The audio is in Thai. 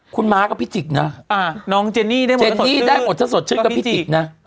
คุณม้าก็พี่จิกนะน้องเจนี่ได้หมดทั้งสดชื่อก็พี่จิกนะ